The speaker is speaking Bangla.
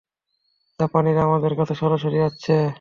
জাপানিরা আমাদের কাছে সরাসরি আসছে।